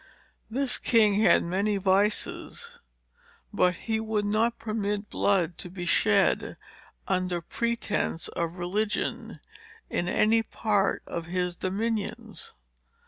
This king had many vices; but he would not permit blood to be shed, under pretence of religion, in any part of his dominions.